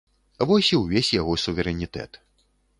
Вось і ўвесь яго суверэнітэт.